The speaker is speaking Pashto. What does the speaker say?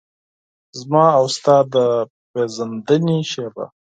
زما او ستا د پیژندنې شیبه